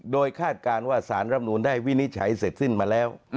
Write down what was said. โดยคาดการณ์ว่าสารรำนูนได้วินิจฉัยเสร็จสิ้นมาแล้ว